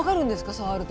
触ると。